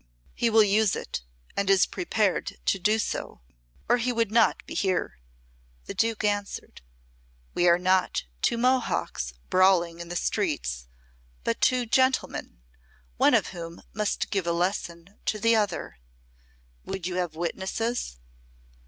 "He will use it and is prepared to do so, or he would not be here," the Duke answered. "We are not two Mohocks brawling in the streets, but two gentlemen, one of whom must give a lesson to the other. Would you have witnesses?"